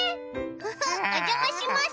「フフッおじゃまします」。